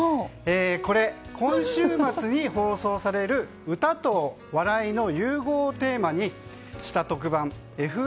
これ、今週末に放送される歌と笑いの融合をテーマにした特番